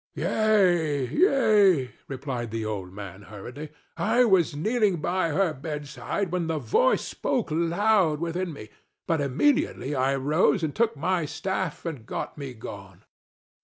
"Yea! yea!" replied the old man, hurriedly. "I was kneeling by her bedside when the voice spoke loud within me, but immediately I rose and took my staff and gat me gone.